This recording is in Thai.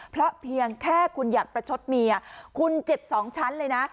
เพราะเพียงแค่คุณอยากประชดเมียคุณเจ็บสองชั้นเลยนะ